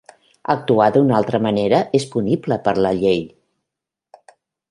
Actuar d'una altra manera és punible per la llei.